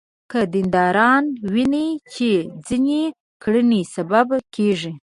که دینداران ویني چې ځینې کړنې سبب کېږي.